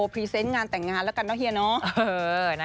รีเซนต์งานแต่งงานแล้วกันเนาะเฮียเนาะ